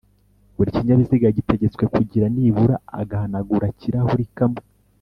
Buri kinyabiziga gitegetswe kugira nibura agahanagura-kirahuri kamwe